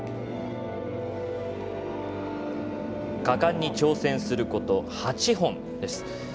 果敢に挑戦すること８本です。